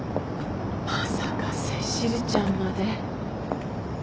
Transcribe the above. まさかセシルちゃんまで。